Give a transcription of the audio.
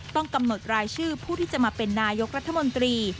ต้องกำหนดรายชื่อผู้ที่จะมาเป็นนายกรัฐมนตรี